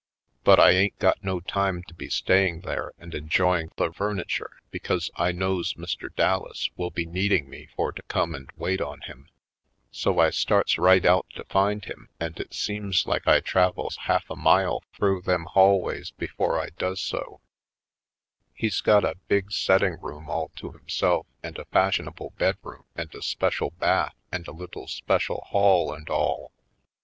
But I ain't got no time to be staying there and enjoying the furniture, because I knows Mr. Dallas will be needing me for to come and wait on him. So I starts right out to find him and it seems like I travels half a mile through *Note. — It is believed that Jeff meant "transient" 46 /. Poindexter^ Colored them hallways before I does so. He's got a big setting room all to himself and a fash ionable bedroom and a special bath and a little special hall and all.